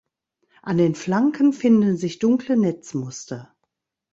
An den Flanken finden sich dunkle Netzmuster.